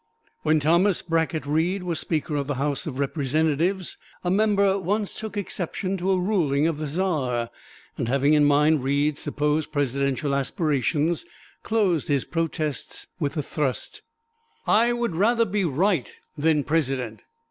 When Thomas Brackett Reed was Speaker of the House of Representatives, a member once took exception to a ruling of the "Czar," and having in mind Reed's supposed Presidential aspirations closed his protests with the thrust, "I would rather be right than President."